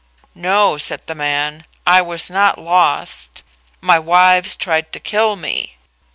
] "No," said the man, "I was not lost. My wives tried to kill me.